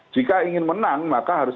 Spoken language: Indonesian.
jika ingin menang maka harus